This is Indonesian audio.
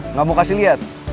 nggak mau kasih liat